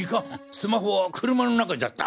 スマホは車の中じゃった。